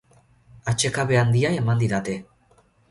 Atsekabe handia eman didate.